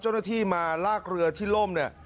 เจ้าหน้าที่มาลากเรือที่ล่มเนี่ย